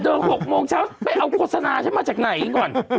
๖โมงเช้าไปเอาโฆษณาฉันมาจากไหนก่อน